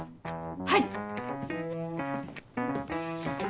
はい！